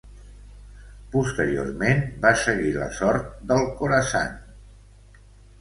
Posteriorment va seguir la sort del Khorasan.